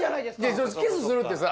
キスするってさ